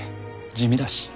地味だし。